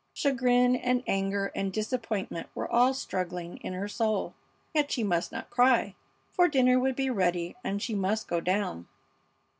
Chagrin and anger and disappointment were all struggling in her soul, yet she must not cry, for dinner would be ready and she must go down.